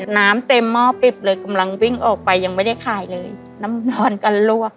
น้ำเต็มหม้อปิบเลยกำลังวิ่งออกไปยังไม่ได้ขายเลยน้ำนอนกันลวก